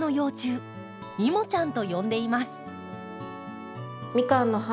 「イモちゃん」と呼んでいます。